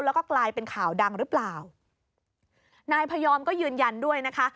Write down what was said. แล้วก็กลายเป็นข่าวดังหรือเปล่านายพยอมก็ยืนยันด้วยนะคะ